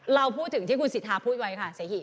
เราพูดถึงที่คุณสิทธาพูดไว้ค่ะเสหิ